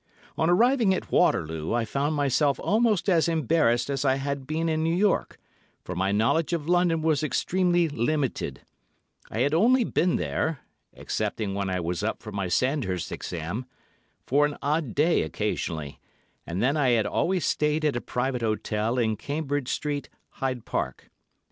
On arriving at Waterloo, I found myself almost as embarrassed as I had been in New York, for my knowledge of London was extremely limited. I had only been there—excepting when I was up for my Sandhurst Exam.—for an odd day occasionally, and then I had always stayed at a private hotel in Cambridge Street, Hyde Park.